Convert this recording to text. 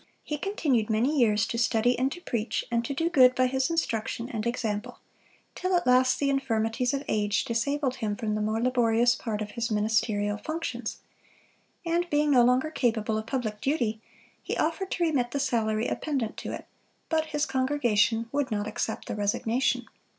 He continued many years to study and to preach, and to do good by His instruction and example: till at last the infirmities of age disabled him from the more laborious part of his ministerial functions, and being no longer capable of public duty, he offered to remit the salary appendant to it; but his congregation would not accept the resignation.